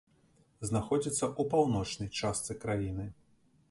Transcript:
Знаходзіцца ў паўночнай частцы краіны.